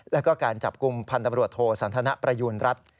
แล้วก็การจับกลุ่มพันธบรวจโทสันทนประยูณรัฐ